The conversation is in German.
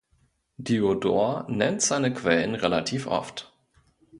Diodor nennt seine Quellen relativ oft.